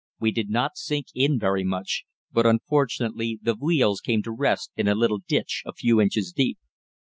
We did not sink in very much, but unfortunately the wheels came to rest in a little ditch a few inches deep.